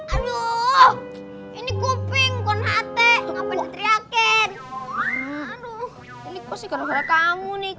aduh ini kuping konhate ngapa teriakkan aduh ini kamu nih